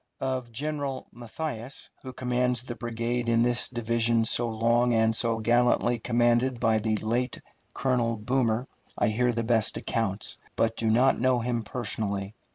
Of General Matthias, who commands the brigade in this division so long and so gallantly commanded by the late Colonel Boomer, I hear the best accounts, but do not know him personally.